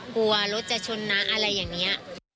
กลัวรถจะชนนะอะไรอย่างนี้